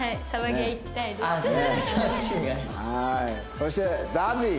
そしてＺＡＺＹ。